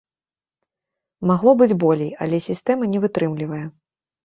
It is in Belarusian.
Магло быць болей, але сістэма не вытрымлівае.